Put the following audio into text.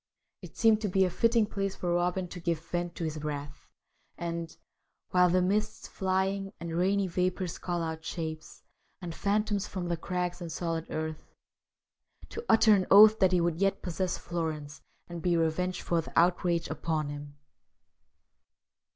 It seemed to be a fitting place for Robin to give vent to his wrath, and, While the mists Flying, and rainy vapours, call out shapes And phantoms from the crags and solid earth, to utter an oath that he would yet possess Florence and be revenged for the outrage upon him.